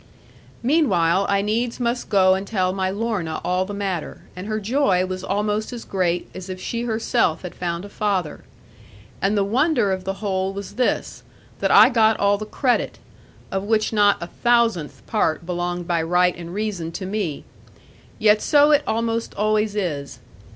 Meanwhile I needs must go and tell my Lorna all the matter; and her joy was almost as great as if she herself had found a father. And the wonder of the whole was this, that I got all the credit; of which not a thousandth part belonged by right and reason to me. Yet so it almost always is.